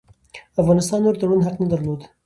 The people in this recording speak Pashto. افغانستان نور د تړون حق نه درلود.